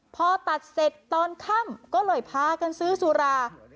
พอตัดเสร็จตอนค่ำก็เลยพากันซื้อสุรา